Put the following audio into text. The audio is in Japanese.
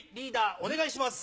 お願いします。